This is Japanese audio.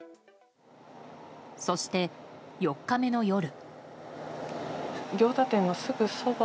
そして、４日目の夜。